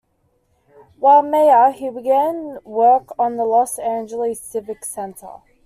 While mayor, he began work on the Los Angeles Civic Center.